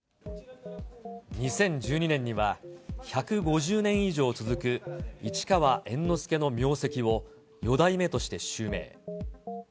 ２０１２年には１５０年以上続く市川猿之助の名跡を、四代目として襲名。